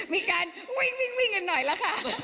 มีการวิ่งกันหน่อยแล้วค่ะ